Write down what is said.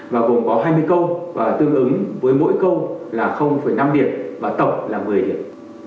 và gồm có hai mươi câu và tương ứng với mỗi câu là năm điểm và tổng là một mươi điểm